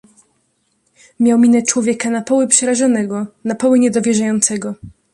"Miał minę człowieka na poły przerażonego, na poły niedowierzającego."